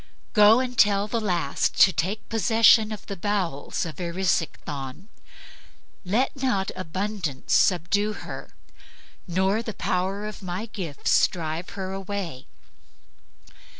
Go and tell the last to take possession of the bowels of Erisichthon. Let not abundance subdue her, nor the power of my gifts drive her away.